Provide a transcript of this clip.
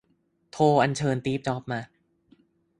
โทรอัญเชิญตีฟจ็อบมา